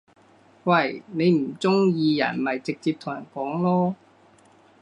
喂！你唔中意人咪直接同人講囉